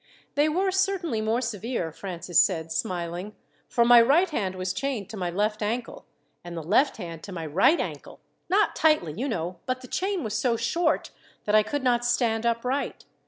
"They were certainly more severe," Francis said smiling, "for my right hand was chained to my left ankle, and the left hand to to my right ankle not tightly, you know, but the chain was so short that I could not stand upright.